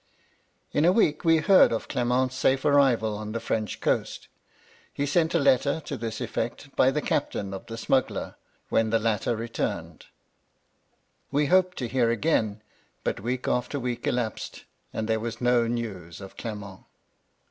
In a week we heard of Clement's safe arrival on the French coast. He sent a letter to this effect by the captain of the smuggler, when the latter returned. We hoped to hear again ; but week after week elapsed, and there was no news of Clement.